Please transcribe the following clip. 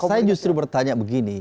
saya justru bertanya begini